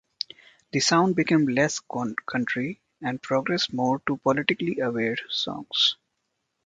The sound became less country and progressed more to politically aware songs.